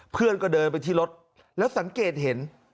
เพื่อนก็เดินไปที่รถแล้วสังเกตเห็น